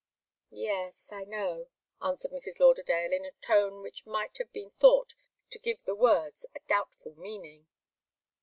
"Yes I know," answered Mrs. Lauderdale, in a tone which might have been thought to give the words a doubtful meaning.